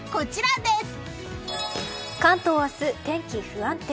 関東明日、天気不安定。